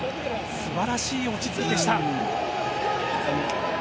素晴らしい落ち着きでした。